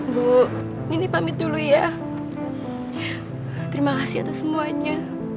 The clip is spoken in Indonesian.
ibu nini pamit dulu ya terima kasih atas semuanya